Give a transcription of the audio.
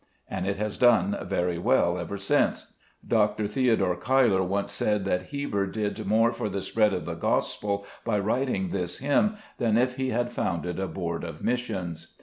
And it has done very well ever since. Dr. Theodore Cuyler once said that Heber did more for the spread of the gospel by writing this hymn than if he had founded a Board of Missions.